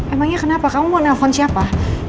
emangnya kenapa kamu mau nelfon siapa